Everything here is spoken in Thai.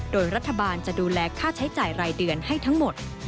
โดยรัฐบาลจะดูแลค่าใช้จ่ายรายเดือนให้ทั้งหมด